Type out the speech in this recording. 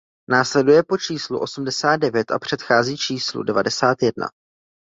Následuje po číslu osmdesát devět a předchází číslu devadesát jedna.